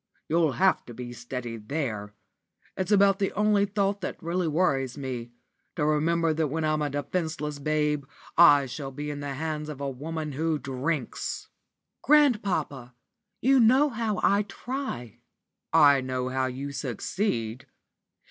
You'll have to be steady there. It's about the only thought that really worries me, to remember that when I'm a defenceless babe I shall be in the hands of a woman who drinks." "Grandpapa! you know how I try." "I know how you succeed.